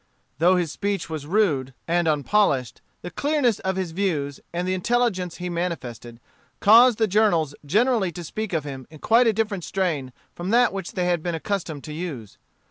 Though his speech was rude and unpolished, the clearness of his views, and the intelligence he manifested, caused the journals generally to speak of him in quite a different strain from that which they had been accustomed to use.